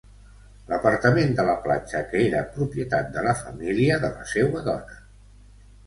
L'apartament de la platja que era propietat de la família de la seua dona.